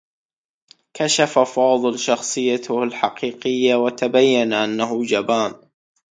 كشف فاضل شخصيته الحقيقية و تبيّن أنّه جبان.